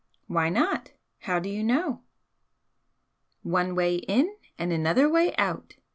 "Why not? How do you know?" "One way in and another way out!"